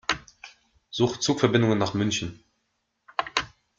Suche Zugverbindungen nach München.